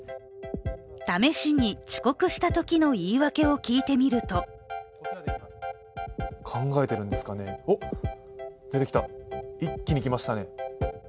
試しに、遅刻したときの言い訳を聞いてみると一気に来ましたね。